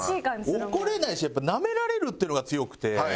怒れないしやっぱナメられるっていうのが強くて。